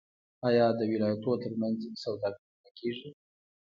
آیا د ولایتونو ترمنځ سوداګري نه کیږي؟